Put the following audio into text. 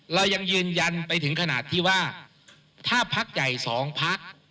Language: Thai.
เรายังยืนยันไปถึงขนาดที่ว่าถ้าภาคใหญ่สองภาค